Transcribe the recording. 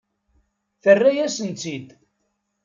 Terra-yasen-tt-id.